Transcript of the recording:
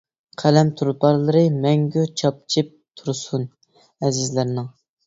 قەلەم تۇلپارلىرى مەڭگۈ چاپچىپ تۇرسۇن ئەزىزلەرنىڭ.